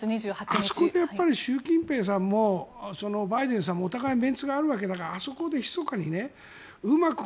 あそこで習近平さんもバイデンさんもお互いにメンツがあるわけだからあそこでひそかにうまく